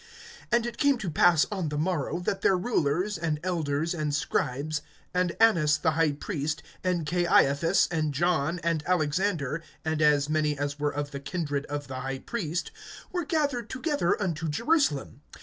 (5)And it came to pass on the morrow, that their rulers, and elders, and scribes, (6)and Annas the high priest, and Caiaphas, and John, and Alexander, and as many as were of the kindred of the high priest, were gathered together unto Jerusalem.